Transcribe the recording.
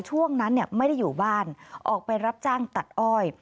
ช่วงนั้นไม่ได้อยู่บ้านออกไปรับจ้างตัดอ้อย